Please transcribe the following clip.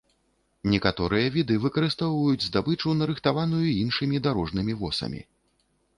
Некаторыя віды выкарыстоўваюць здабычу, нарыхтаваную іншымі дарожнымі восамі.